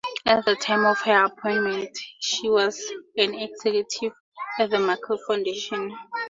At the time of her appointment, she was an executive at the Markle Foundation.